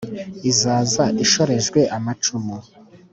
izaza ishorejwe amacumu